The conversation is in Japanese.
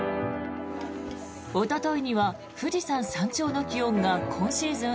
おとといには富士山山頂の気温が今シーズン